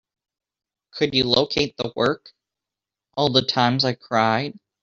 Could you locate the work, All the Times I Cried?